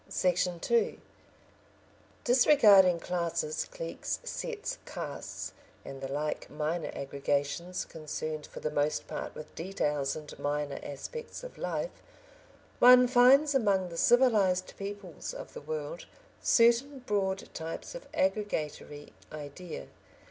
Section 2 Disregarding classes, cliques, sets, castes, and the like minor aggregations, concerned for the most part with details and minor aspects of life, one finds among the civilised peoples of the world certain broad types of aggregatory idea.